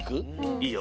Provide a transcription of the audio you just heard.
いいよ。